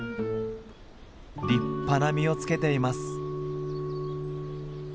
立派な実をつけています。